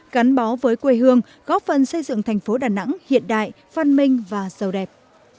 gắn bó với quê hương góp phần xây dựng thành phố đà nẵng hiện đại văn minh và sâu đẹp